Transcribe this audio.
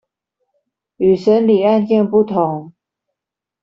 與審理案件不同